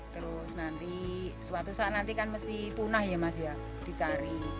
terus nanti suatu saat nanti kan mesti punah ya mas ya dicari